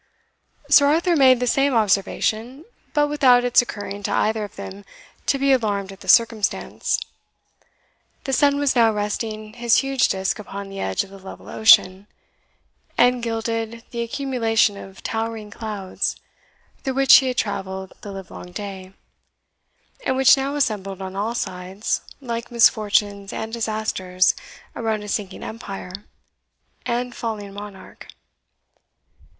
Sir Arthur made the same observation, but without its occurring to either of them to be alarmed at the circumstance. The sun was now resting his huge disk upon the edge of the level ocean, and gilded the accumulation of towering clouds through which he had travelled the livelong day, and which now assembled on all sides, like misfortunes and disasters around a sinking empire and falling monarch.